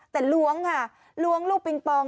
แต่ล้วงค่ะล้วงลูกปิงปอง